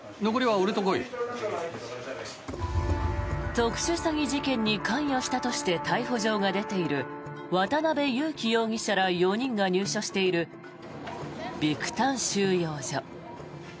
特殊詐欺事件に関与したとして逮捕状が出ている渡邉優樹容疑者ら４人が入所しているビクタン収容所。